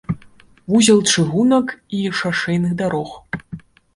Вузел чыгунак і шашэйных дарог.